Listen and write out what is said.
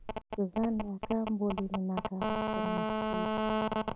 که ځان ناکام بولې له ناکامۍ سره مخ کېږې.